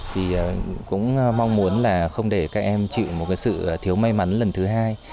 thì cũng mong muốn là không để các em chịu một cái sự thiếu may mắn lần thứ hai